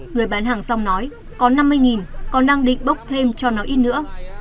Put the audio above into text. người bán hàng rong nói có năm mươi còn đang định bốc thêm cho nó ít nữa